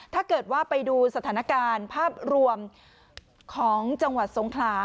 ถ้าเกิดว่าไปดูสถานการณ์ภาพรวมของจังหวัดสงขลา